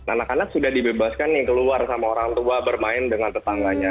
anak anak sudah dibebaskan nih keluar sama orang tua bermain dengan tetangganya